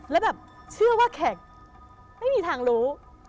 แล้วแบบเชื่อว่าแขกไม่มีทางรู้